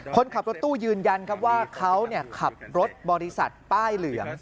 คนขับรถตู้ยืนยันครับว่าเขาขับรถบริษัทป้ายเหลือง